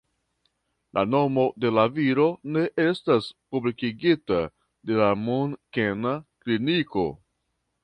La nomo de la viro ne estas publikigita de la Munkena kliniko.